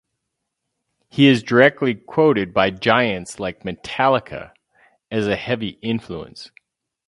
He is directly quoted by giants like Metallica as a heavy influence.